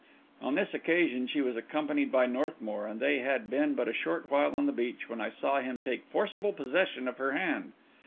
On this occasion she was accompanied by Northmour, and they had been but a short while on the beach, when I saw him take forcible possession of her hand.